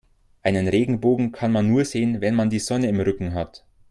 Einen Regenbogen kann man nur sehen, wenn man die Sonne im Rücken hat.